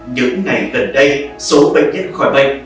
những ngày gần đây số bệnh nhân khỏi bệnh